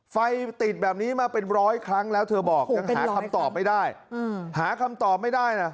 ไฟติดแบบนี้มาเป็นร้อยครั้งแล้วเธอบอกยังหาคำตอบไม่ได้